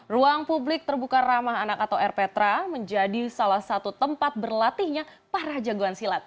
ruang publik terbuka ramah anak atau rptra menjadi salah satu tempat berlatihnya para jagoan silat